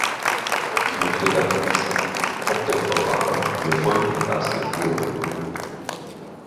Ich möchte daher wissen, ob dem Verfahren hier Folge geleistet wurde.